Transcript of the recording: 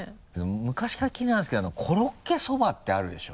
昔から気になるんですけどコロッケそばってあるでしょ？